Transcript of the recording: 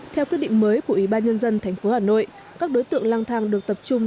theo quyết định mới của ủy ban nhân dân tp hà nội các đối tượng lang thang được tập trung